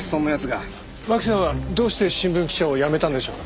巻さんはどうして新聞記者を辞めたんでしょう？